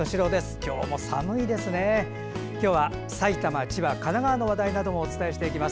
今日は埼玉、千葉、神奈川の話題などもお伝えしていきます。